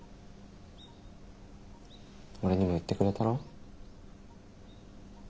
俺にも言ってくれたろ？